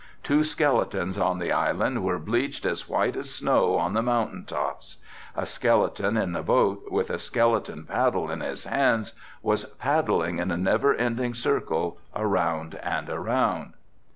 Two skeletons on the island were bleached as white as snow on the mountain tops. A skeleton in the boat, with a skeleton paddle in his hands was paddling in a never ending circle around and around."